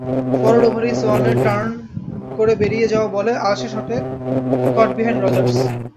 পরের ওভারেই সোয়ানের টার্ন করে বেরিয়ে যাওয়া বলে আলসে শটে কটবিহাইন্ড রজার্স।